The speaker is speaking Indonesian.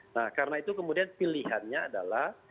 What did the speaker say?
nah karena itu kemudian pilihannya adalah